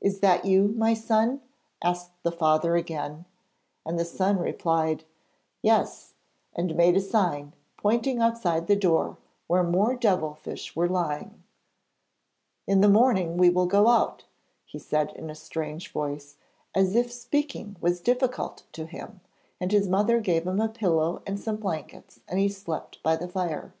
'Is that you, my son?' asked the father again, and the son replied: [Illustration: THE DEAD SON HELPS HIS PARENTS] 'Yes,' and made a sign, pointing outside the door, where more devil fish were lying. 'In the morning we will go out,' he said in a strange voice, as if speaking was difficult to him, and his mother gave him a pillow and some blankets and he slept by the fire.